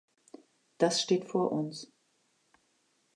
Das steht vor uns.